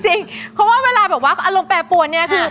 เพราะว่าเวลาแบบว่าอารมณ์แปรปวนเนี่ยคือ